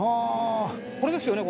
これですよね？